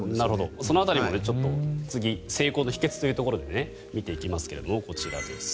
その辺りも次成功の秘けつということで見ていきますがこちらです。